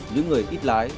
những người ít lái